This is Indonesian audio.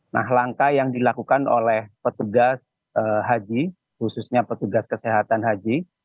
nah langkah yang dilakukan oleh petugas haji khususnya petugas kesehatan haji